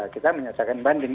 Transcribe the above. kita menyatakan banding